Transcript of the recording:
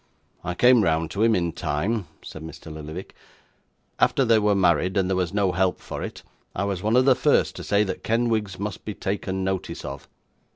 'I came round to him in time,' said Mr. Lillyvick. 'After they were married, and there was no help for it, I was one of the first to say that Kenwigs must be taken notice of.